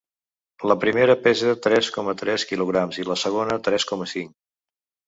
La primera pesa tres coma tres quilograms i el segon tres coma cinc.